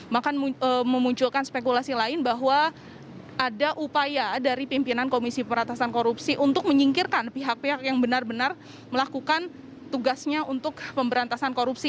maka memunculkan spekulasi lain bahwa ada upaya dari pimpinan komisi pemberantasan korupsi untuk menyingkirkan pihak pihak yang benar benar melakukan tugasnya untuk pemberantasan korupsi